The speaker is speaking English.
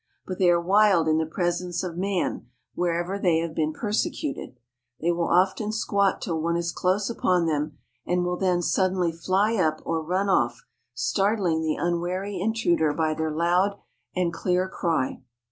But they are wild in the presence of man wherever they have been persecuted. They will often squat till one is close upon them, and will then suddenly fly up or run off, startling the unwary intruder by their loud and clear cry.